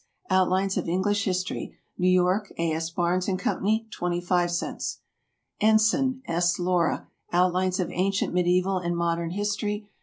S. "Outlines of English History." New York, A. S. Barnes & Co. 25 cents. ENSIGN, S. LAURA. "Outlines of Ancient, Medieval and Modern History."